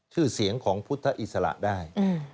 ชื่อเสียงของพุทธอิสระได้